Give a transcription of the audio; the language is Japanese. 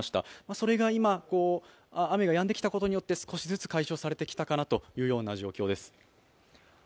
それが今、雨がやんできたことによって少しずつ解消されてきたかなというような状況です。